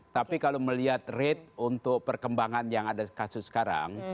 tapi kalau melihat rate untuk perkembangan yang ada kasus sekarang